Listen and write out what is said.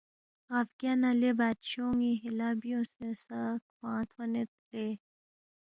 غا بگیا نہ لےبادشون٘ی ہلا بیونگ سہ کھوانگ تھون٘ید لے